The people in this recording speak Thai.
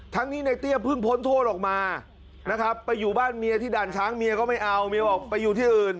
ทั้งนี้ในเตี้ยเพิ่งพ้นโทษออกมานะครับไปอยู่บ้านเมียที่ด่านช้างเมียก็ไม่เอาเมียบอกไปอยู่ที่อื่น